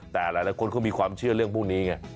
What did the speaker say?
แต่หลายคนเขามีความเชื่อเรื่องพวกนี้ไง